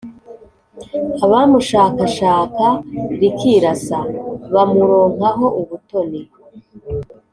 abamushakashaka rikirasa, bamuronkaho ubutoni.